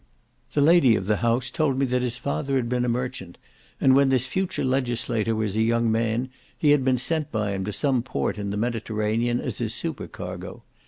The lady of the house told me that his father had been a merchant, and when this future legislator was a young man, he had been sent by him to some port in the Mediterranean as his super cargo.